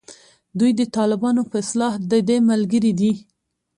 دوی د طالبانو په اصطلاح دده ملګري دي.